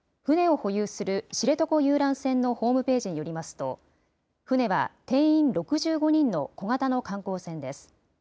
船を保有する知床遊覧船のホームページによりますと、船は定員６５人の小型の観光船です。